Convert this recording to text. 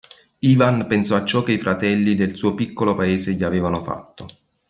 Ivan pensò a ciò che i fratelli del suo piccolo paese gli avevano fatto.